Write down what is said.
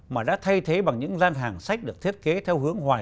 mà đã thay thế bằng những gian hàng sách được thiết kế theo hướng hoài